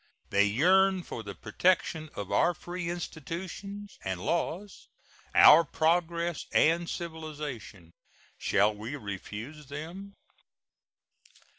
They yearn for the protection of our free institutions and laws, our progress and civilization. Shall we refuse them?